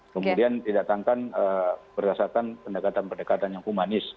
kemudian tidak akan berdasarkan pendekatan pendekatan yang humanis